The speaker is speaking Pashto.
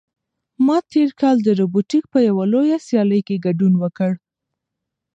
ما تېر کال د روبوټیک په یوه لویه سیالۍ کې ګډون وکړ.